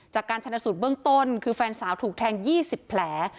จากการชนสูตรเบื้องต้นคือแฟนสาวถูกแทง๒๐แผล